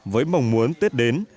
với mong muốn tết đến